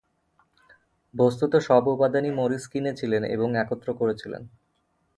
বস্তুত সব উপাদানই মরিস কিনেছিলেন এবং একত্র করেছিলেন।